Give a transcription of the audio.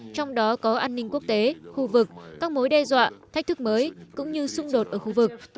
trong đó có an ninh quốc tế khu vực các mối đe dọa thách thức mới cũng như xung đột ở khu vực